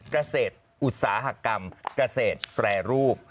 เกษตรอุตสาหกรรมเกษตรแปรรูป